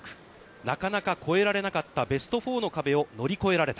なかなか越えられなかったベスト４の壁を乗り越えられた。